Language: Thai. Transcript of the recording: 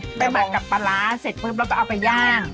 เสร็จปึ๊บแล้วก็เอาไปย่าง